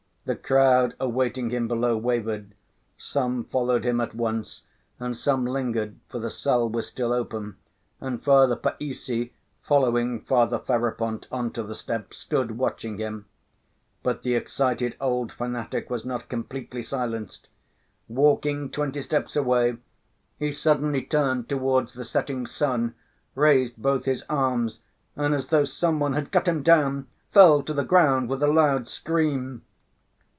The crowd awaiting him below wavered; some followed him at once and some lingered, for the cell was still open, and Father Païssy, following Father Ferapont on to the steps, stood watching him. But the excited old fanatic was not completely silenced. Walking twenty steps away, he suddenly turned towards the setting sun, raised both his arms and, as though some one had cut him down, fell to the ground with a loud scream.